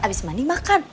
abis mandi makan